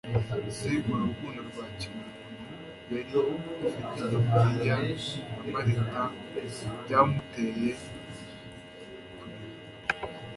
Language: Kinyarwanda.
Si urukundo rwa kimuntu yari afitiye Mariya na Marita byamutcye kurira.